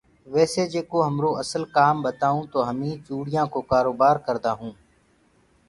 ويسي جيڪو همرو اسل ڪام ٻتاوآنٚ تو همي چوڙيانٚ ڪو ڪآرو بآر ڪردآ هونٚ۔